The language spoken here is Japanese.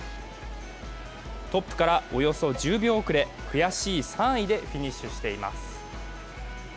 トップからおよそ１０秒遅れ、悔しい３位でフィニッシュしています。